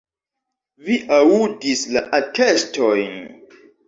Vi aŭdis la atestojn.